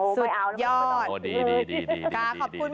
สามสิบบอโอเคไหม